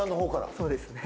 そうですね。